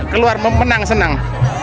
keluar memenang senang